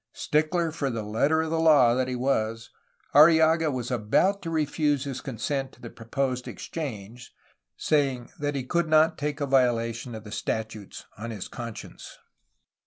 Stickler for the letter of the law that he was, Arrillaga was about to refuse his consent to the pro posed exchange, saying that he could not take a violation of the statutes on his conscience.